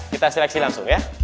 kita seleksi langsung ya